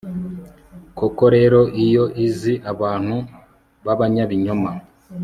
koko rero, yo izi abantu b'abanyabinyoma